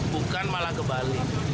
bukan malah kebalik